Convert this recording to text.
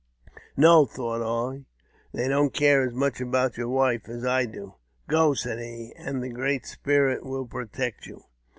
" No," thought I, " they don't care as much about your wife as I do." "Go," said he, " and the Great Spirit will protect you."